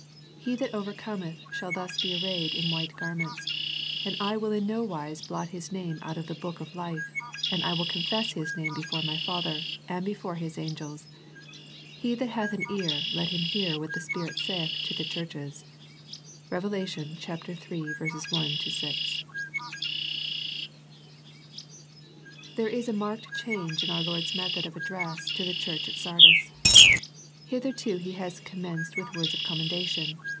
He that overcometh shall thus be arrayed in white garments; and I will in no wise blot his name out of the book of life, and I will confess His name before My Father, and before His angels. He that hath an ear, let him hear what the Spirit saith to the churches." Rev. iii : 1 6. VII THE SARDIS LETTER ^"T^ HERE is a marked change in our Lord's •* method of address to the church at Sardis. Hitherto He has commenced with words of commendation.